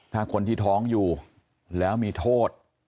ถ้าคนที่ท้องอยู่แล้วมีโทษ